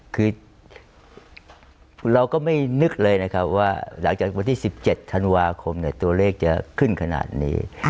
คือเราก็ไม่นึกเลยนะครับว่าหลังจากวันที่๑๗ธันวาคมตัวเลขจะขึ้นขนาดนี้